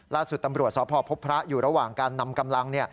ล่าสุดตำรวจสพพบพระอยู่ระหว่างการนำกำลัง